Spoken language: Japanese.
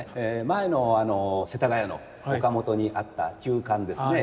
前の世田谷の岡本にあった旧館ですね。